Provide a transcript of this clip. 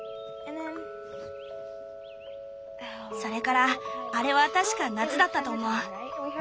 それからあれは確か夏だったと思う。